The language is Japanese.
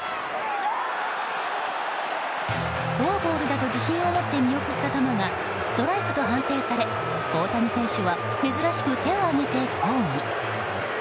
フォアボールだと自信を持って見送った球がストライクと判定され大谷選手は珍しく手を上げて抗議。